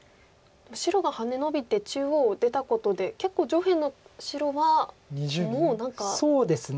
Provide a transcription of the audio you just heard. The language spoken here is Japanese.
白がハネノビて中央を出たことで結構上辺の白はもう何か手厚いですね。